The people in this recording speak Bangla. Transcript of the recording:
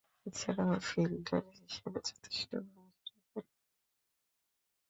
এছাড়াও, ফিল্ডার হিসেবে যথেষ্ট ভূমিকা রাখেন।